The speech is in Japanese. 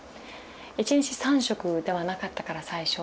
１日３食ではなかったから最初。